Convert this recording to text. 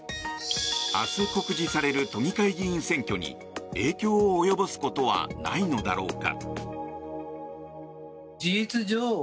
明日告示される都議会議員選挙に影響を及ぼすことはないのだろうか。